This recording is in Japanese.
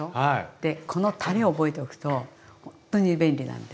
でこのたれを覚えておくとほんとに便利なんで。